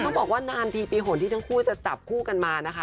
บอกว่านานทีปีหนที่ทั้งคู่จะจับคู่กันมานะคะ